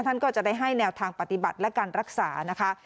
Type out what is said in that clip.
ท่านก็จะได้ให้แนวทางปฏิบัติและการรักษานะคะ